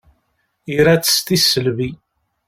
Ira-tt s tisselbi.